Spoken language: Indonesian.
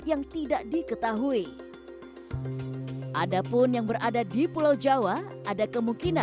dari sini kami pun mengetahui